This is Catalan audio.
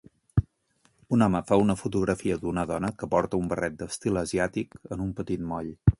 Un home fa una fotografia d'una dona que porta un barret d'estil asiàtic en un petit moll.